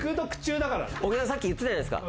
さっき言ってたじゃないですか。